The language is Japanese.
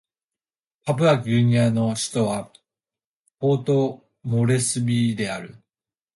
パプアニューギニアの首都はポートモレスビーである